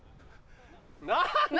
何だ？